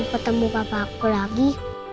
mau ketemu papa aku lagi